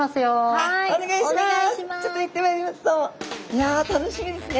いや楽しみですね。